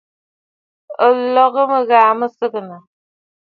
O lɔ̀ɔ̀ mɨŋgɔ̀ɔ̀ mi nsəgə?